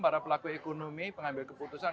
para pelaku ekonomi pengambil keputusan